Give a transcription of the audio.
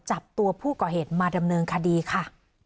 จับตัวผู้ก่อเหตุมาดำเนินคดีค่ะ